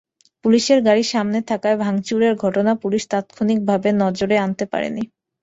পুলিশের গাড়ি সামনে থাকায় ভাঙচুরের ঘটনা পুলিশ তাৎক্ষণিকভাবে নজরে আনতে পারেনি।